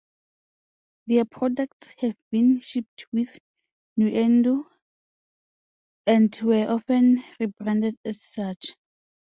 Their products have been shipped with Nuendo, and were often rebranded as such.